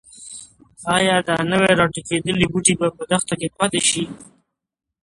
ایا د نوي راټوکېدلي بوټي به په دښته کې پاتې شي؟